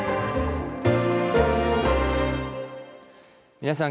皆さん